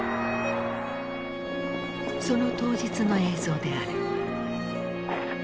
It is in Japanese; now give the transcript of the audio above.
その当日の映像である。